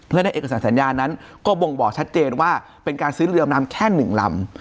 เพื่อในเอกสารสัญญานั้นก็บ่งบอกชัดเจนว่าเป็นการซื้อเรือดำน้ำแค่๑ลำ